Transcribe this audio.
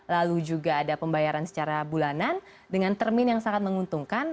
lalu juga ada pembayaran secara bulanan dengan termin yang sangat menguntungkan